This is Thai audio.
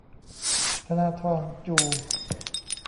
ธนาธร จู